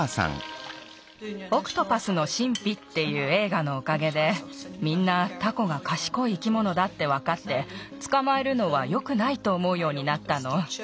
「オクトパスの神秘」っていうえいがのおかげでみんなタコがかしこい生き物だってわかってつかまえるのはよくないとおもうようになったの。